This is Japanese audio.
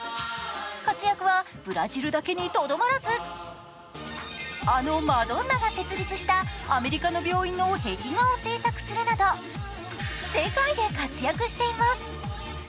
活躍はブラジルだけにとどまらず、あのマドンナが設立したアメリカの病院の壁画を制作するなど世界で活躍しています。